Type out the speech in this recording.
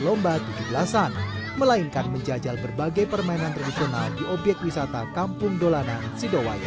lomba tujuh belas an melainkan menjajal berbagai permainan tradisional di obyek wisata kampung dolanan sidowaya